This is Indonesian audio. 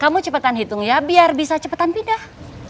kamu cepetan hitung ya biar bisa cepatan pindah